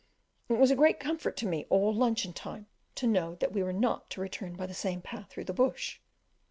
It was a great comfort to me all luncheon time to know that we were not to return by the same path through the Bush.